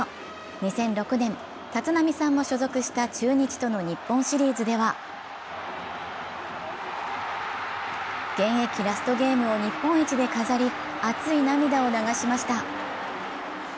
２００６年、立浪さんも所属した中日との日本シリーズでは、現役ラストゲームを日本一で飾り、熱い涙を流しました。